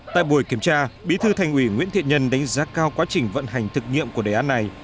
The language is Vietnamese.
tại buổi kiểm tra bí thư thành ủy nguyễn thiện nhân đánh giá cao quá trình vận hành thực nghiệm của đề án này